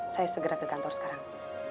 saya segera ke kantor sekarang